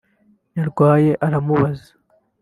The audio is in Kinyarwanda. Nyarwaya aramubaza